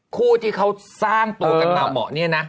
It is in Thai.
คู่ที่เขาสร้างตัวกันมาเหมาะเนี่ยนะ